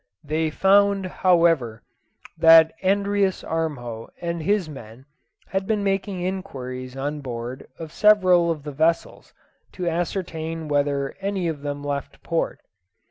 They found, however, that Andreas Armjo and his men had been making inquiries on board of several of the vessels to ascertain when any of them left port.